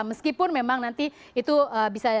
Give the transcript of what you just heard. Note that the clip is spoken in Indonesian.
meskipun memang nanti itu bisa